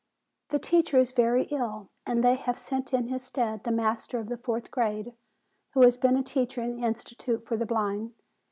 The teacher is very ill, and they have sent in his stead the master of the fourth grade, who has been a teacher in the Institute for the Blind.